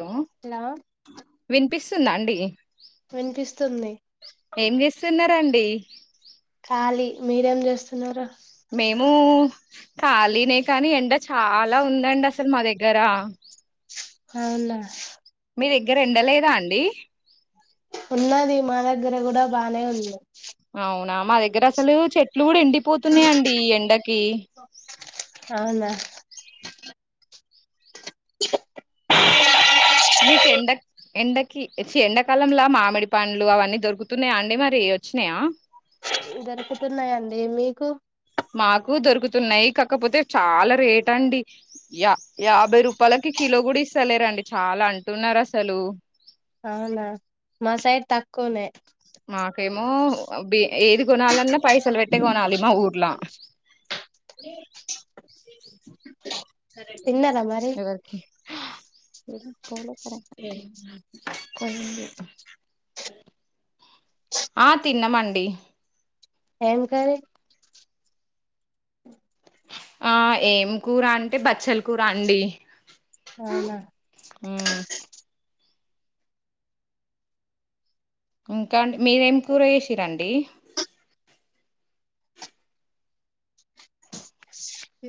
Hello వినిపిస్తు వస్తుందా అండి అనిపిస్తుంది బ ఖాలీ మీరేం చేస్తున్నారు మేము ఖాళీిన కానీ ఎండ చాలా ఉందండి అసలు మా దగ్గర అవున మీ దగ్గర ఎండలేదా అండి ఉన్నది మా దగ్గర కూడా బాగానే ఉంది అవునా మా దగ్గర అసలు చెట్ ఫ్లూడ్ ఎండిపోతున్నాయండి ఇ ఎండకి అవునా మీకు ఎండ ఎండకి ఛి ఎండాకాలంలో మామిడి పండ్లు అవన్నీ దొరుకుతున్నాయా అండి మరి వచ్చినయా దొరుకుతున్నాయండి మీకు మాకు దొరుకుతున్నాయి కాకపోతే చాలా రేట్ అండి యా యాభై రూపాయలకి కిలో గుడా ఇస్తలేరండి చాలా అంటున్నారు అసలు అవునా మా సైడ్ తక్కువనే మాకేమో బి ఏది కొనాలన్నా పైసల్ బెట్టి కోనాల మ ఊర్లా సరే తిన్నారా మరి ఎవరికి ఆ తిన్నమండి ఏమ్ కర్రీ ఆ ఏం కూర అంటే బచ్చల కూర అండి అవునా మ్మ్ ఇంక అండి మీరేం కూర చేసిరండి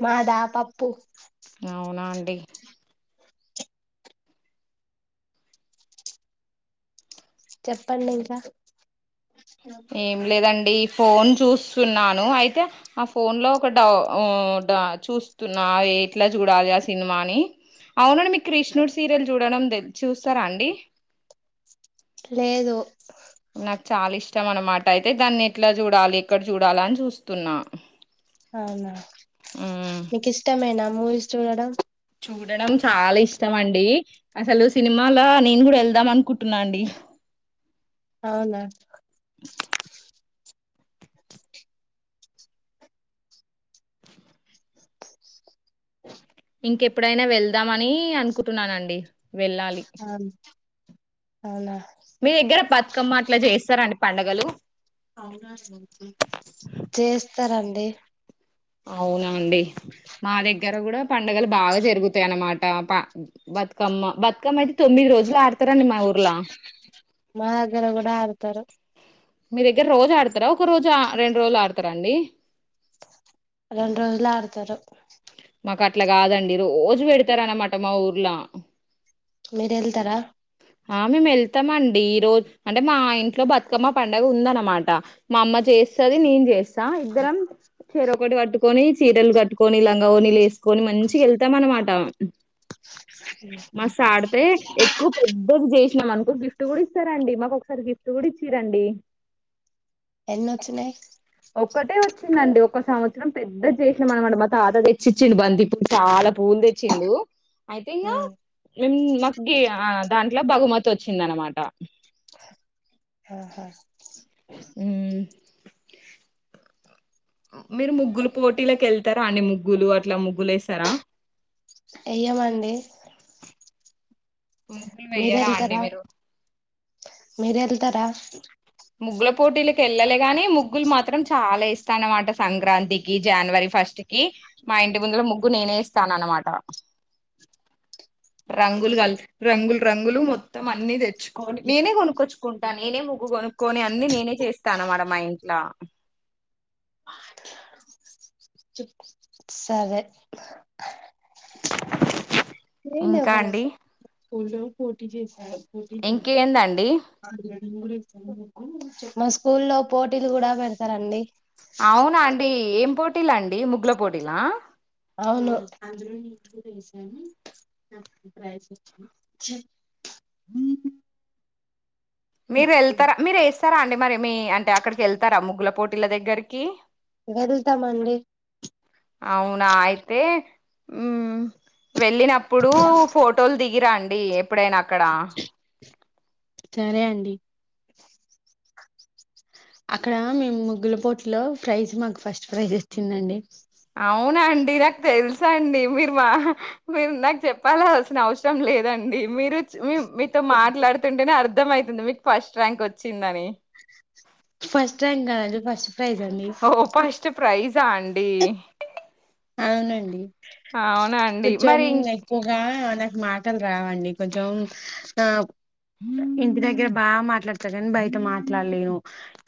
మాదా పప్పు అవునా అండి చెప్పండి ఇంకా ఏం లేదండి ఇ ఫోన్ చూస్తున్నాను అయితే అ ఫోన్ లో ఒక డౌ చూస్తున్నా ఎట్లా చూడాలి ఆ సినిమాని అవునండి మీకు కృష్ణుడి సీరియల్ చూడడం తెల్ చూస్తరా అండి లేదు నాకు చాలా ఇష్టం అన్నమాట అయితే దాన్ని ఎట్లా చూడాలి ఎక్కడ చూడాలి అని చూస్తున్నా అవునా మ్మ్ మీకిష్టమేనా మూవీస్ చూడడం చూడడం చాలా ఇష్టం అండి అసలు సినిమాల నేను గుడా ఎళ్దాం అనుకుంటున్న అండి అవునా ఇంకెప్పుడైనా వెళ్దామని అనుకుంటున్న అండి ఆ అవునా మీ దగ్గర బతుకమ్మ అట్లా చేస్తరండి పండగలు చేస్తరండి అవునా అండి మా దగ్గర కూడా పండుగలు బాగా జరుగుతాయ అన్నమాట బతుకమ్మ బతుకమ్మ అయితే తొమ్మిది రోజులు ఆ మాదగ్గర కూడా ఆడతరు మీ దగ్గర రోజు ఆడురు ఒక రోజు రెండు రోజులు ఆడతారండి రొండు రోజులు ఆడతారు మాకు అట్లా కాదండి రోజు పెడతారనమాట మా ఊర్లా మీరు ఎళ్తారా ఆ మేము ఎల్తమండి రోజు అంటే మా ఇంట్లో బతుకమ్మ పండగ ఉందనమాట మా అమ్మ చేస్తది నేను చేస్ స్త ఇద్దరం చెరోకటి పట్టుకొని చీరలు కట్టుకొని లం గౌనీలు ఏసుకొని మంచిగ ఎళ్తాం అన్నమాట మస్ ఆడితే ఎక్కువ పెద్దది చేసినాం అన్ గిఫ్ట్ కూడా ఇస్తారండి మాకు ఒకసారి గిఫ్ట్ కూడా ఇచ్చిరండి ఎన్నొచ్చినయి ఒక్కటే వచ్చిందండి ఒక సంవత్సరం పెద్ద చేసినం అనమాట మా తాతది తెచ్చిచ్చిండు బంతిపుడు చాలా పూలు తెచ్చిండు అయితే ఇకా ఉమ్ మి ఆ దాంట్లో బహుమతి వచ్చింద అనమాట ఆా ఉ మీరు ముగ్గురు పోటీలోకి వెళ్తారా అన్ని ముగ్గులు అట్లా ముగ్గులు వేస్తారా అయ్యమండి పకులు వెయ్యారా అండి మీరు మీర వెళ్తారా ముగ్గుల పోటీలకు వెళ్ళలే గాని ముగ్గులు మాత్రం చాలా ఇస్తా అన్నమాట సంక్రాంతికి జనవరి ఫస్ట్ కి మా ఇంటి ముందులో ముగ్గు నేనే ఇస్తాన అనమాట రంగులు కల్ రంగులు రంగులు మొత్తం అన్ని తెచ్చుకొని నేనే కొనుక్కొచ్చుకుంటా నేనే ముగ్గు కొను అ నేనే చేస్తాను మడ మా ఇంట్లో సరే ఏం ఇంకా దేబ్బలు అండి ఊల్లో పోటీ చేసి ఇంకేందండి రండి కూడా చె మా స్కూల్లో పోటీలు కూడా పెడతారండి అవునా అండి ఏం పోటీలండి ముగ్గుల పోటీలా అవును మీరు వెళ్తారా మీరు వేస్తారా అండి మరి మీ అంటే అక్కడికి వెళ్తారా ముగ్గుల పోటీల దగ్గరికి వెళ్తామండి అవునా అయితే ఉ వెళ్ళినప్పుడు ఫోటోలు దిగిరండి అప్పుడైనా అక్కడ చరే అండి అక్కడ మేము ముగ్గులపోట్లో ప్రైజ్ మాకు ఫస్ట్ ప్రైజ్ వచ్చిందండి అవునండి నాకు తెలుసు అండి మీరు మా మీరు నాకు చెప్పాలల్సిన అవసరం లేదండి మీరు మీీతో మాట్లాడుతుంటేనే అర్ అర్ధమయితుంది మీకు ఫస్ట్ ర్యాంక్ వచ్చిందని ఫస్ట్ ర్యాంక్ కాదండి ఫస్ట్ ప్రైజ్ అండి ఓప్ప నస్ట ప్రైజ్ దాండి అవునండి అవునా అండి కొంచెం మరి ఇం ఎక్కువగా నాకు మాటలు రావండి కొంచెం ఆ ఇంటి దగ్గర బాగా మాట్లాడతారుని బయట మాట్లాడలేను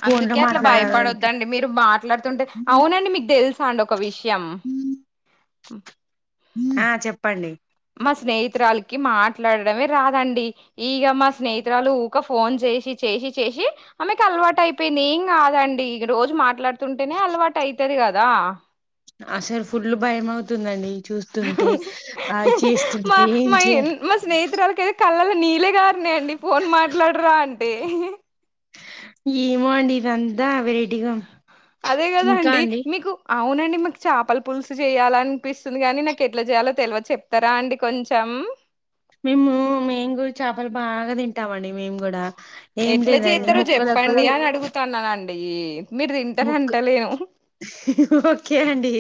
ఫోన్ లో అందుకే అట్లా మాట్లాడాలంటే భయపడొద్దండి మీరు మాట్లాడుతుంటే అవునండి మీకు తెలుస చాండకవిష్ ఎం ఆ చెప్పండి మా స్నేహితురాలికి మాట్లాడడమే రాదండి ఈక మా స్నేహిరాలు ఊక ఫోన్ చేసి చేసి చేసి ఆమెకి అలవాటు అయిపోయింది ఏం కాదండి రోజు మాట్లాడు ఉంటేనే అలవాటు అయిత్ పత్తది కాదా అసలు ఫుడ్లు భయం అవుతుందండి చూస్తుంటే ఆది మా చేస్తుంటే ఏం చే నీలేగా అ అండి ఫోన్ మాట్లాడరా అంటే ఏమో అండి ఇదంతా వెరైటీగా అదే కదా అండి మీకు అవునండి మాకు చాపల పులుసు చేయాలనిపిస్తుంది గానీ నాకు ఎట్లా చేయాలో తెలియ చెప్తారా అండి కొంచెం మేము మేము కూడా చేపలు బాగా తింటమండి మేము కూడా ఏం ఎట్లా లేదండి చేస్తారు ముక్కలకు చెప్పండి అని అడుగుతన్నానండి అంట ఈ మీరు తింటార ముక్ అంటలేను ఓకే అండి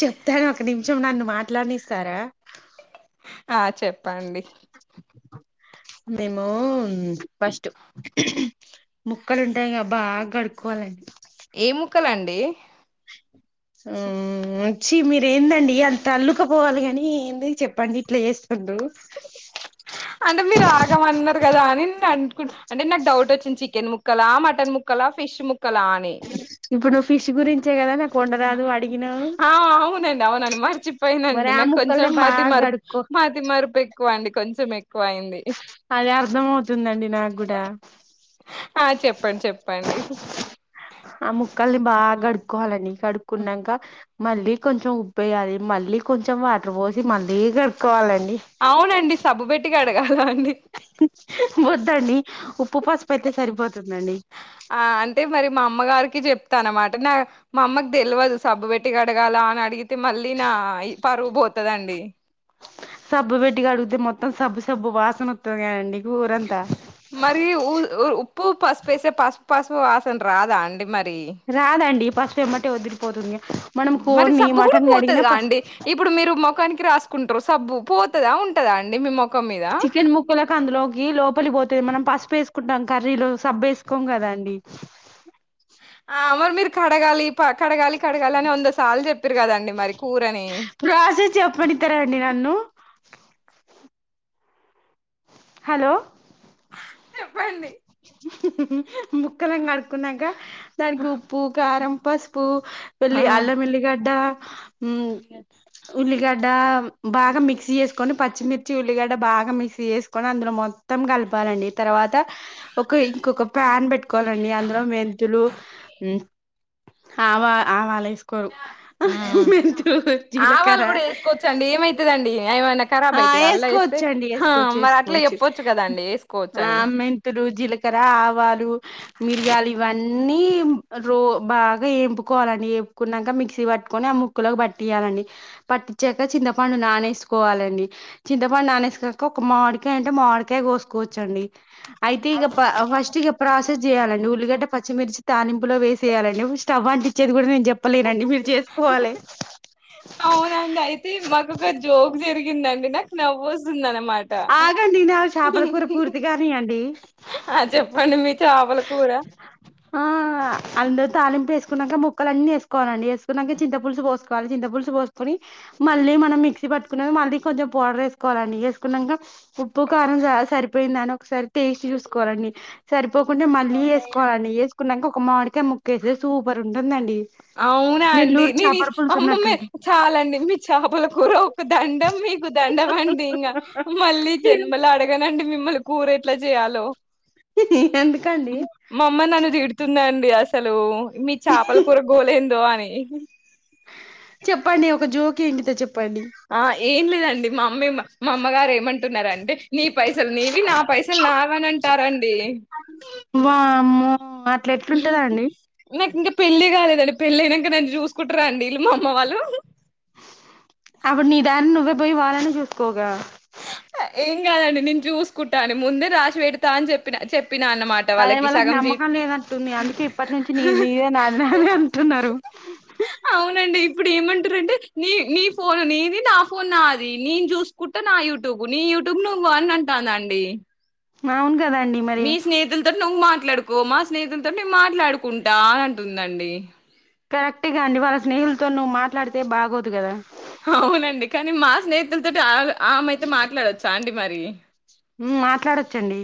చెప్తాను ఒక నిమిషం నన్ను మాట్లానిస్తారా ఆ చెప్పండి మేము ఫస్ట్ ముక్కలు ఉంటాయి క బాగా కడుక్కకోవాలండి ఏ ముక్కలండి ఆ వచ్చి మీరు ఏందండి అంత అల్లుకపోవాలి ని ఏంది చెప్పండి ఇట్లా చేస్తుండు అంటే మీరు ఆగమన్నారు కదా అని నే అకుంట అంటే నాకు డౌట్ వచ్చింది చికెన్ ముక్కల మటన్ ముక్కల ఫిష్ ముక్క కళాని ఇప్పుడు నువ్వు ఫిష్ గురించే కదా నా కొండరాదు అడిగినావు అవు అను మరిచిప్ ఫైన్ మరి అండి ఆ నాకు కొంచెం ముక్కల్ని మతి బాగా మర్పు కడుక్కో మాతి మర్పు ఎక్ ఎక్కువ అండి కొంచెం ఎక్కువ అయింది అదే అర్థం అవుతుందండి నాకు కూడా ఆ చెప్పండి చెప్పండి ఆ ము మక్కల్ని బాగా కడుక్కకోవాలని కడుక్కున్నాక మళ్ళలీ కొంచెం ఉబ వయాలి మళ్ళీ కొంచెం వాటర్ పోసి మళ్ళీ కడుక్కోవాలండి అవునండి సబ్బు పెెట్టి అడగాల అండి వద్దండి ఉప్పు పాసుపు అయితే సరిపోద్తు ఆ అంటే మరి మా అమ్మగారికి కి చెప్తాన అనమాట నా మా అమ్మకు తెలివదు సబ్బు పెట్టి అడగాల అని అడిగితే మళ్ళీ నా ఈ పరువు పోతుదండి సబ్బు పెట్టికి అడిగితే మొత్తం సబ్బు సబ్బు వాసన వస్తుంది క అండి మరిఊ పూ పసుపుేసే పసుపు పసుపు వాసన రాదా అండి మరి రాదండి బస్పు వెమ్మంటే వద్దిలిపోతుంది మరి సబ్బు కూడా పోతుదిగా అండి ఇప్పుడు మీరు ముఖానికి రాసుకుంటు సబ్బు పోతదా ఉంటదా అండి మేము చికెన్ ముక్కలలకు అందులోకి లోపలి పోతు మనం పసుపు వేసుకుంటాం కర్రీలో సబ్రు వేసుకోం కదా అండి ఆ మర్ మీరు కడగాళి కడగాలి కడగాలి అని వంద సార్లు చెప్పిారు కదండి మరి కూరని ప్రాసెస్ చెప్పనిత్తరా అండి నన్ను హలో చెప్పండి ముక్కలను కడుకున్నాక దానికి ఉప్పు కారం పసుపు వెళ్ళలి ఆల మలి గడ్డా ఉ ఉల్లిగడ్డ బాగా మిక్సీ చేసుకొని పచ్చిమిర్చి ఉల్లిగడ్డ బాగా మిక్సీ చేసుకొని అందులో మొత్తం కలపాలండి తర్వాత ఒక ఇంకొక ప్యాన్ బట్ కోవాలండి అందులో మెంతులు వా ఆ వాళ కోరు మెంతలు ఆవాలు జీలకర కూడా వేసుకోవచ్చండి ఏమైతదండి ఏమైనా ఖరాబ్ ఆ అయితాయా అల్లా వేస్తే వేసుకోవచ్చండి హా వేసుకోవచ్చు మరి అట్లా వేసుకోవచ్చు చెప్పొచ్చు కదండి వేసుకోవచ్చు ఆ అని మెంతులు జీలకర ఆవాలు మిరియాలు ఇవన్నీ అన్న రో బాగా వంపుకోవాలండి ఏపుకున్నాక మిక్సీ పట్టుకొని ఆ ముక్క్కలోకి పట్టియాలండి పట్టించాక చిన్నపండు నానసుకోవాలండి చింతపడి నానేసు కాక ఒక మామిడికాయ అంటే మామిడికాయ కోసుకోవచ్చండి అయితే ఈ ప ఫస్ట్ ప్రాసెస్ చేయాలండి ఉల్లిగడ్డ పచ్చిమిర్చి తానింపులో వేసేయాలండి స్టవ్ అంట ఇచ్చేది కూడా నేను చెప్పలేనండి మీరు చేసుకోవాలి అవునండి అయితే మాకుొ ఒక జోక్ జరిగిందండి నాకు నవ్రాయ ఆగండి నవి చేపల కూర పూర్తిగానీయండి ఆ చెప్పండి మీ చాపల కూర ఆ అంద్ తాలింపు వేసుకున్నాక ముక్కల అన్ని వేసుకోవాలండి వేసుకున్నాక చింత పులుసు పోసుకోవాలి చింత పులుసు పోసుకని మళ్ళీ మనం మిక్సీ పట్టుకున్న మళ్ళీ కొంచెం పౌడర్ వేసుకోవాలండి వేసుకున్నాక ఉప్పు కారం స సరిపోయింద అని ఒకసారి టేస్ట్ చూసుకోవాలండి సరి కుంటే మళ్ళీ వేసుకోవాలని వేకున్నాక ఒ క్క మాడికయ్ ముక్కేసే సూపర్ ఉంటుందండి అవునా అండి నెల్లూరు నేన ఇ చేపల పులుసు అమ్మమ్మే ఉన్నట్టుంటుంది చాలండి మీ చేపల ర ఒక దండం మీకు దండం అండి ఇంకా మళ్ళీ జన్మలు అడగనండి మీ మళ్ళి కూర ఎట్లా చేయాలో ఎందుకండి మమ్మ నన్న తిడు స్తుందండి అసలు మీ చాపల లేందో అని చెప్పండి ఒక జోక్ ఏంటితో చెప్ ఆ ఎం లే దండి మా అమ్మే మా మా అమ్మగారు ఏమంటున్నారంటే నీ పైసలు నీవి నా పైసలు నాని అని అంటారండి వామ్మో అట్లా ఎట్లుంటందాండి నాకు ఇంకా పెళ్లి కాలేదండి పెళ్ళి అయినాక నన్ను చూసుకుంటారా అండిీ విల్లు మాఅమ్మ వాళ్ళు అప్పుడు నీ దారిన నువ్వే పోయి వాళ్ళని చూసుకోగా ఏం కాదండి నేను చూసుకుంటా అని ముందే రాసి పెడతా అని చెప్పిన చెప్ అదే వాళ్ళకి నమ్మకం లేదంటుంది అందుకే ఇప్పటి నుంచి నీ నీదే నాది నాదే అంటున్నారు అవునండి ఇప్పుడు ఏమంటురంటే నీ నీ ఫోన్ నీది నా ఫోన్ నాది నేను చూసుకు ట నా యూట్యూబ్ నీ యూట్యూబ్ నువ్వు వన్ అంటాందండి మవు మీ స్నేహతులతోటి నువ్ మాట్ ట్లాడుకో మా స్నేహితులతోటి నిన్ మాట్లాడుకుంటా అని అంటుందండి కరెక్ట్ గ అండి వాళ్ళ స్నేహిల్ తోని నువ్ మాట్లాడు తే బాగోదు కదా అవునండి కానీ మా స్నేహితులతోటి ఆమే ఆమెయితే మాట్లాడొచ్చ అండి మరి మ్ మాట్లాడొచ్చండి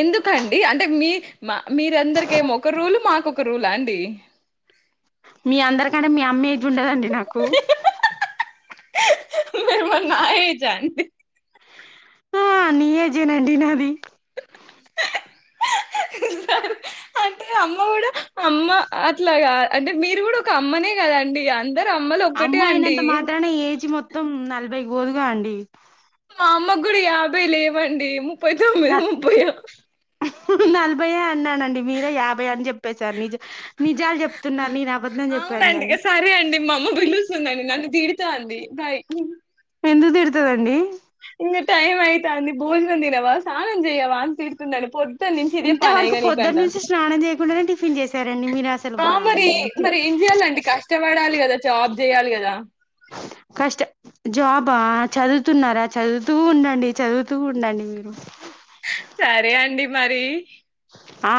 ఎందుకండి అంటే మీ మా మీరందరిక ఏమో ఒక రూల్ మాకొక రూల అండి మీ అందరికంటే మీ అమ్మా ఏజ్ ఉండదండి నాకు మీరు మరి నా ఏజ్ ఆ ఆన్ డి ఆ నీ ఏజే అండి నాది సరే అంటే అమ్మ గూడా అమ్మ అట్లాగాదు అంటే మీరు కూడా ఒక అమ్మనే కదండి అంత్ అమ్మా అయినంత మాత్రాన ఏజ్ మొత్తం నల్ భై పోదుగా అండి అమ్మ గుడా యాభై లేవండి ముప్పై తొమ్మిది ముప్పై ఓ నలభై ఏ అన్నా నండి మీరే యాభై అని చెప్పేశారు నిజ నిజాలు చెప్తున్నారు నేను అబద్ధం చెప్పాను అవునండి కాని. ఇగ మా అమ్మ పిలుస్తుందండి నన్ను ఒకే అండి బాయ్ ఎందుకు తిడతదండి టైం అయితే అండి భోజనం తినవా స్నానం చేయవా అని తిడుతుంది అండి ఇంత వరకు పొద్దుట నుంచి స్నానం చేయకుండానే టిఫిన్ చేసారండి మీరు అసలు ఆ మరి వామ్మో చి మరి ఏం చేయాలండి కష్టపడాలి కదా జాబ్ చేయాలి కదా కష్ట జాబ్ ఆ చదువు చదువుతున్నారా చదువుతూ ఉండండి చదువుతూ ఉండండి మీరు సరే అండి మరి ఆ